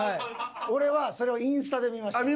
俺はそれをインスタで見ました。